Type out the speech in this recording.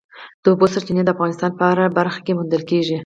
د اوبو سرچینې د افغانستان په هره برخه کې موندل کېږي.